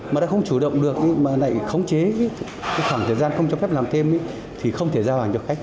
mà đã không chủ động được mà lại khống chế khoảng thời gian không cho phép làm thêm thì không thể giao hàng cho khách